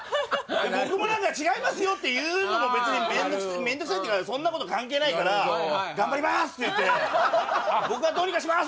僕も何か違いますよって言うのも別に面倒くさい面倒くさいっていうかそんなこと関係ないから「頑張ります！」って言って「僕がどうにかします！」